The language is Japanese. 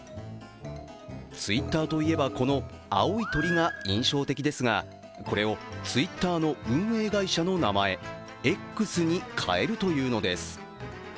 Ｔｗｉｔｔｅｒといえばこの青い鳥が印象的ですがこれをＴｗｉｔｔｅｒの運営会社の名前、Ｘに変えるというのです。